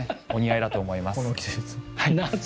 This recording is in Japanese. お似合いだと思います。